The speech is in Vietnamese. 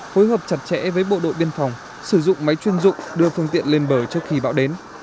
phối hợp chặt chẽ với bộ đội biên phòng sử dụng máy chuyên dụng đưa phương tiện lên bờ trước khi bão đến